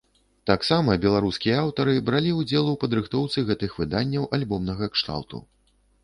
Таксама беларускія аўтары бралі ўдзел у падрыхтоўцы гэтых выданняў альбомнага кшталту.